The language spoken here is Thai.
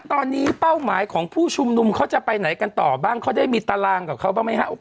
ตอนนี้เป้าหมายของผู้ชุมนุมเขาจะไปไหนกันต่อบ้างเขาได้มีตารางกับเขาบ้างไหมครับ